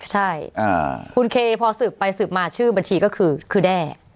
ใช่คุณเคพอสืบไปสืบมาชื่อบัญชีก็คือคือแด้